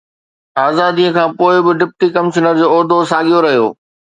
آزاديءَ کان پوءِ به ڊپٽي ڪمشنر جو عهدو ساڳيو رهيو